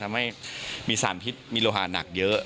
ทำให้มีสารพิษมีโลหะหนักเยอะ